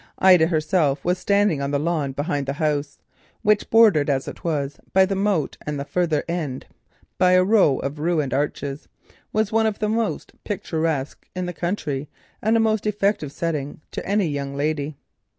Ida herself was standing on the lawn behind the house, which, bordered as it was by the moat and at the further end by a row of ruined arches, was one of the most picturesque in the country and a very effective setting to any young lady.